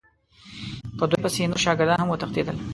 په دوی پسې نور شاګردان هم وتښتېدل.